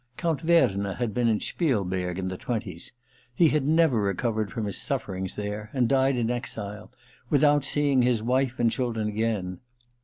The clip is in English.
Count Verna had been in Spielberg in the twenties. He never recovered from his sufferings there, and died in exile, without seeing his wife and children again.